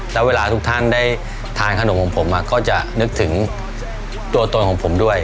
แล้วเวลาทุกท่านได้ทานขนมของผมก็จะนึกถึงตัวตนของผมด้วย